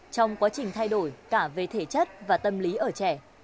trong quá trình thay đổi cả về thể chất và tâm lý ở trẻ